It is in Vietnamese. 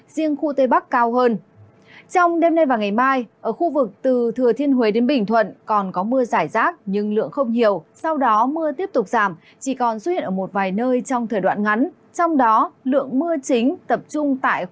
xin chào và hẹn gặp lại